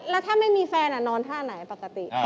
แล้วถ้าไม่มีแฟนนอนท่าไหนปกติ